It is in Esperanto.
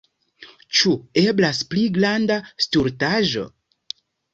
Ĉu eblas pli granda stultaĵo?